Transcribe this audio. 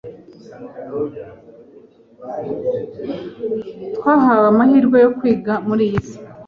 Twahawe amahirwe yo kwiga muri iyi si